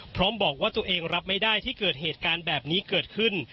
พร้อมบอกว่าตัวเองรับไม่ได้ที่เกิดเหตุการณ์แบบนี้เกิดขึ้น